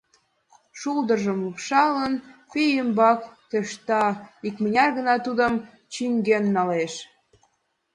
Шулдыржым лупшалын, пий ӱмбак тӧршта, икмыняр гына тудым чӱҥген налеш.